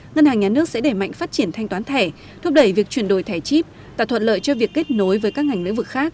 ngân hàng nhà nước sẽ đẩy mạnh phát triển thanh toán thẻ thúc đẩy việc chuyển đổi thẻ chip tạo thuận lợi cho việc kết nối với các ngành lĩnh vực khác